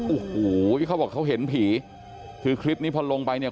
โอ้โหเขาบอกเขาเห็นผีคือคลิปนี้พอลงไปเนี่ย